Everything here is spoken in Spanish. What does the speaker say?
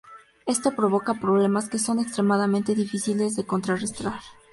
Esto provoca problemas que son extremadamente difíciles de contrarrestar.